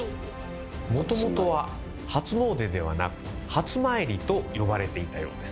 もともとは「はつもうで」ではなく「はつまいり」と呼ばれていたようです。